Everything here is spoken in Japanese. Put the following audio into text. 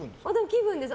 気分です。